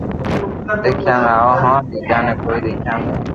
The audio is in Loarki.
دآکيا ۾ آووہ ھون ٻيجا ني ڪوئي ديکيا ۾